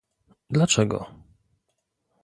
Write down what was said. Dlaczego?